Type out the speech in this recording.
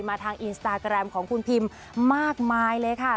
ทางอินสตาแกรมของคุณพิมมากมายเลยค่ะ